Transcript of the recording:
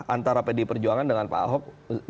antara pdi perjuangan dengan pak ahok